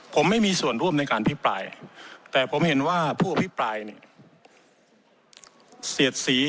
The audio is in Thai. ผมไม่มีส่วนร่วมในการพิปรายแต่ผมเห็นว่าผู้อภิปรายเนี่ยเสียดสี